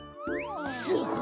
すごい！